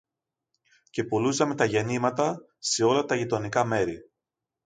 και πουλούσαμε τα γεννήματα σε όλα τα γειτονικά μέρη.